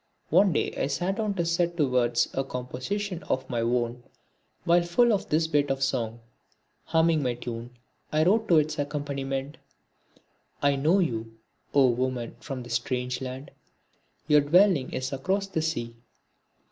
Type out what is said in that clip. One day I sat down to set to words a composition of my own while full of this bit of song. Humming my tune I wrote to its accompaniment: I know you, O Woman from the strange land! Your dwelling is across the Sea.